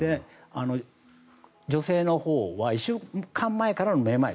女性のほうは１週間前からのめまい。